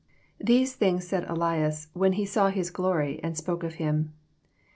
857 41 These things sftid Esaiu, when he saw his glory, and spake of him.